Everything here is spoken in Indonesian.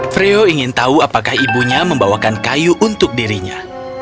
freo ingin tahu apakah ibunya membawakan kayu untuk dirinya